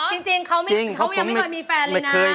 แฟนของเดือดธันวาที่ผ่านมาเลย